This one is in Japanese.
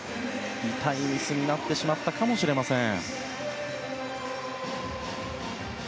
痛いミスになってしまったかもしれません。